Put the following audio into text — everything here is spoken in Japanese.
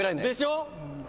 「でしょ？」